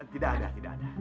tidak ada tidak ada